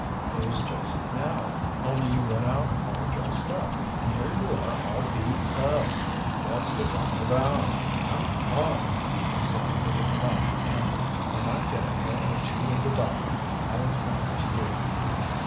"It was just now only you went out all dressed up, and here you are all beat up. What's this all about?" "Come on," he said with a flash of temper. "When I get a hair or two of the dog, I'll explain it to you."